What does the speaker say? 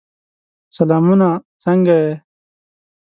سلامونه! څنګه یې؟